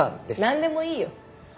なんでもいいよ。